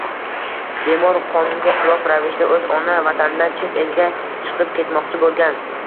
Bemor qonunga xilof ravishda o‘z ona vatanidan chet elga chiqib ketmoqchi bo‘lgan.